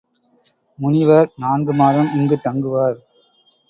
முனிவர் நான்கு மாதம் இங்குத் தங்குவார்.